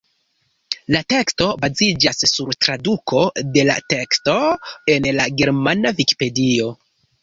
La teksto baziĝas sur traduko de la teksto en la germana vikipedio.